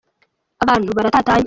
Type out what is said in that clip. abantu baratatanye.